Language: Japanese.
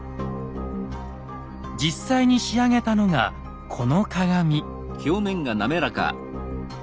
実際に仕上げたのがこの鏡。